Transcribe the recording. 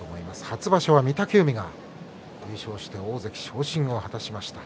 初場所は御嶽海が優勝して大関昇進を果たしました。